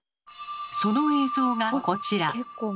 その映像がこちら。